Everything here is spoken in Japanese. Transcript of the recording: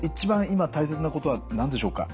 今大切なことは何でしょうか？